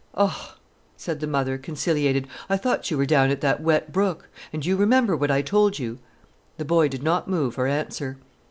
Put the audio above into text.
"Oh!" said the mother, conciliated. "I thought you were down at that wet brook—and you remember what I told you——" The boy did not move or answer.